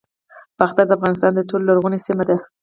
باختر د افغانستان تر ټولو لرغونې سیمه ده